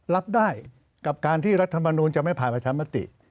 รับได้กับการที่รัฐมนูลจะไม่ผ่านประชามติ